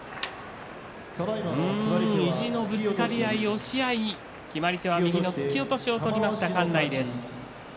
意地のぶつかり合い押し合い、決まり手は右の突き落としを取りました。